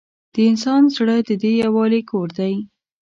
د انسان زړه د دې یووالي کور دی.